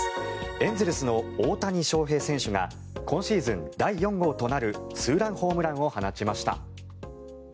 エンゼルスの大谷翔平選手が今シーズン第４号となるツーランホームランを放ちました。